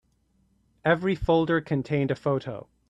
Every folder contained a photo.